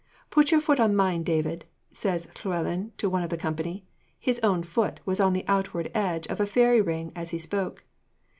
'Put your foot on mine, David,' says Llewellyn to one of the company; his own foot was on the outward edge of a fairy ring as he spoke.